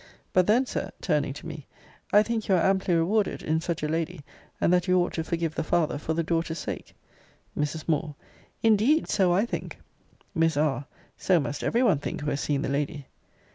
But then, Sir, [turning to me,] I think you are amply rewarded in such a lady; and that you ought to forgive the father for the daughter's sake. Mrs. Moore. Indeed so I think. Miss R. So must every one think who has seen the lady.